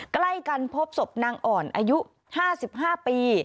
ใกล้กันพบศพนางอ่อนอายุ๕๕ปี